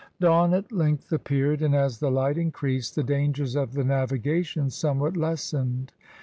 Dawn at length appeared, and as the light increased, the dangers of the navigation somewhat lessened.